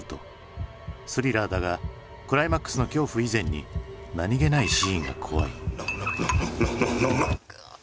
スリラーだがクライマックスの恐怖以前に何気ないシーンが怖い。